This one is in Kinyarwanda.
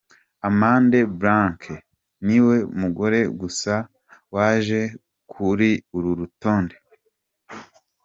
Amanda Blake niwe mugore gusa waje kuri uru rutonde.